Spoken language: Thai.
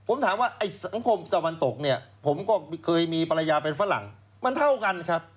ผมถามว่าไอ้สังคมตะวันตกเนี่ยผมก็เคยมีภรรยาเป็นฝรั่งมันเท่ากันครับ